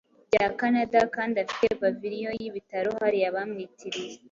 rya Kanada kandi afite pavilion yibitaro hariya bamwitiriye.